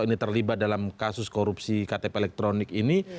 ini terlibat dalam kasus korupsi ktp elektronik ini